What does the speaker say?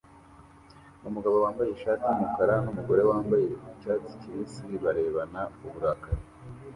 umugabo wambaye ishati yumukara numugore wambaye icyatsi kibisi bararebana uburakari